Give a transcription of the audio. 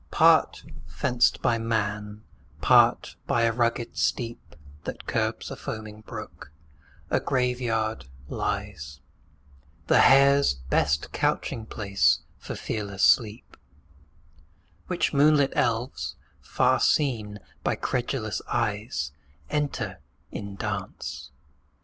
F.] Part fenced by man, part by a rugged steep That curbs a foaming brook, a Grave yard lies; The hare's best couching place for fearless sleep; Which moonlit elves, far seen by credulous eyes, Enter in dance.